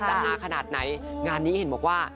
ฮาขนาดไหนงานนี้เห็นบอกว่า